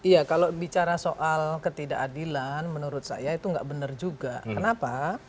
ya kalau bicara soal ketidakadilan menurut saya itu nggak benar juga kenapa